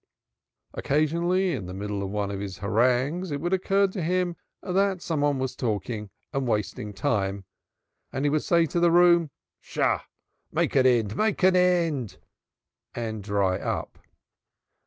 Occasionally in the middle of one of his harangues it would occur to him that some one was talking and wasting time, and then he would say to the room, "Shah! Make an end, make an end," and dry up.